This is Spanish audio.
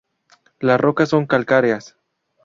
Las rocas son calcáreas.